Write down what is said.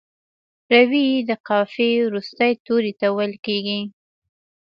روي د قافیې وروستي توري ته ویل کیږي.